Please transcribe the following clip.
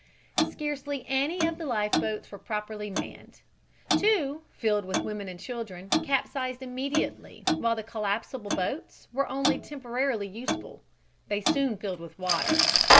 Scarcely any of the life boats were properly manned. Two, filled with women and children, capsized immediately, while the collapsible boats were only temporarily useful. They soon filled with water.